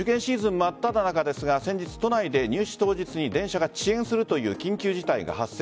真っただ中ですが先日、都内で入試当日に電車が遅延するという緊急事態が発生。